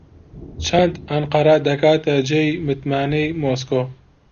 چەند ئەنقەرە دەکاتە جێی متمانەی مۆسکۆ؟